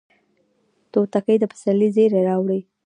توتکۍ د پسرلي زیری راوړي